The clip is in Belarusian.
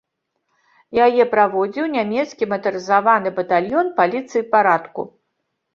Яе праводзіў нямецкі матарызаваны батальён паліцыі парадку.